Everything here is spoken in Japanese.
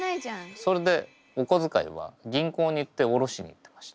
それでおこづかいは銀行に行っておろしに行ってました。